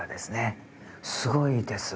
すごいです。